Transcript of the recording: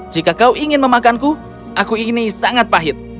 jika kau ingin memakanku aku ini sangat pahit